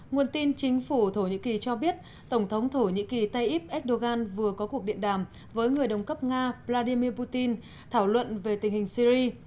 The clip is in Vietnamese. nguồn tin chính phủ thổ nhĩ kỳ cho biết tổng thống thổ nhĩ kỳ tayyip erdogan vừa có cuộc điện đàm với người đồng cấp nga vladimir putin thảo luận về tình hình syri